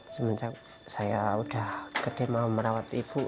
semenjak saya udah gede mau merawat ibu